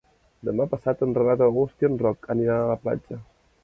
Demà passat en Renat August i en Roc aniran a la platja.